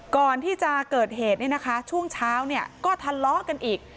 ก่อนที่จะเกิดเหตุเนี่ยนะคะช่วงเช้าก็ทะเลาะกันอีก